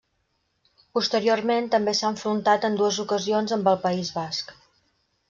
Posteriorment també s'ha enfrontat en dues ocasions amb el País Basc.